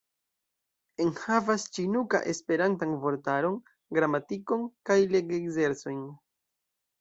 Enhavas ĉinuka-esperantan vortaron, gramatikon kaj leg-ekzercojn.